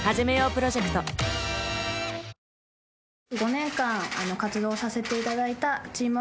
５年間活動させていただいたチーム